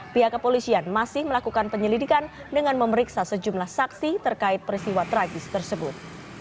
pihak kepolisian masih melakukan penyelidikan dengan memeriksa sejumlah saksi terkait peristiwa tragis tersebut